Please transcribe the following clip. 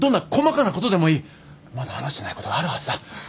まだ話してないことがあるはずだ。